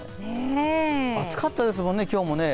暑かったですもんね、今日も。